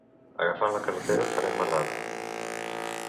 Agafant la carretera farem marrada.